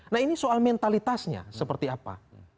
nah ini soal mentalitasnya seperti apa